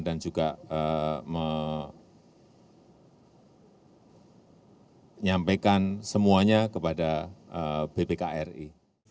dan juga menyampaikan semuanya kepada bpkri